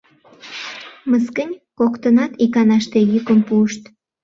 — Мыскынь, - коктынат иканаште йӱкым пуышт.